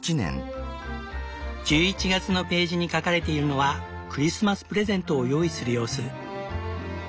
１１月のページに描かれているのはクリスマスプレゼントを用意する様子。